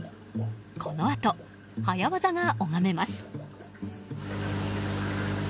このあと、早業が拝めます。